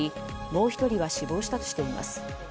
もう１人は死亡したとしています。